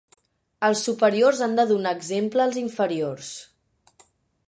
Els superiors han de donar exemple als inferiors.